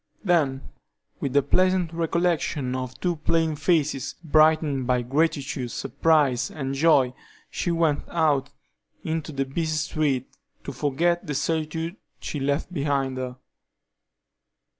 Then, with the pleasant recollection of two plain faces, brightened by gratitude, surprise, and joy, she went out into the busy streets to forget the solitude she left behind her.